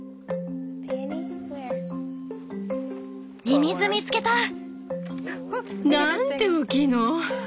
ミミズ見つけた！なんて大きいの！